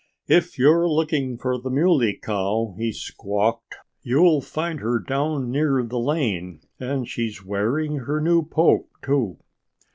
"If you're looking for the Muley Cow," he squawked, "you'll find her down near the lane. And she's wearing her new poke, too."